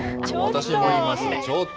私も思います。